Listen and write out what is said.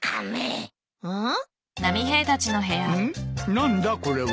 何だこれは。